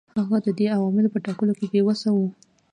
هغه د دې عواملو په ټاکلو کې بې وسه و.